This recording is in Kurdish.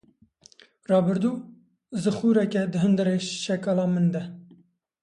Rabirdû, zixureke di hundirê şekala min de.